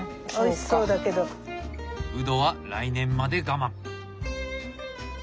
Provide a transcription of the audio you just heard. ウドは来年まで我慢！